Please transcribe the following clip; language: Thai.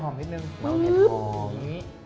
น้องเห็ดหอม